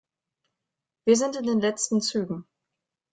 Wir sind in den letzten Zügen.